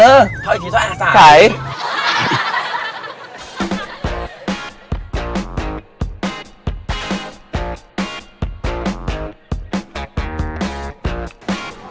เข้าอีกทีจะอาศัยเสร็จ